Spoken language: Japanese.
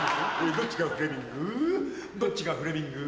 どっちがフレミング？